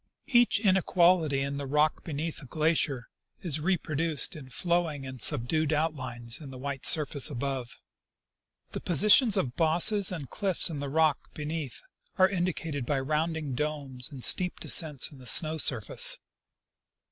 Each inequality in the rock be neath the glacier is reproduced in flowing and subdued outlines in the white surface above. The positions of bosses and cliffs in the rock beneath are indicated by rounded domes and steep descents in the snow surface.